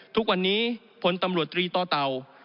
ทุกวันนี้พลตำรวจตรีต่อเต่า